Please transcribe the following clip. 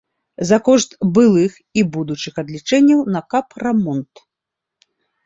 За кошт былых і будучых адлічэнняў на капрамонт.